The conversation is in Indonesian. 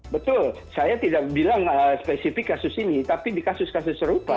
betul saya tidak bilang spesifik kasus ini tapi di kasus kasus serupa